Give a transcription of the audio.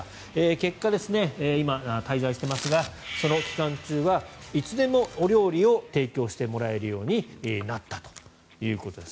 結果今、滞在してますがその期間中はいつでもお料理を提供してもらえるようになったということです。